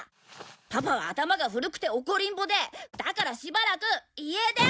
パパは頭が古くて怒りんぼでだからしばらく家出。